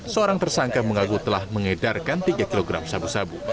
seorang tersangka mengaku telah mengedarkan tiga kg sabu sabu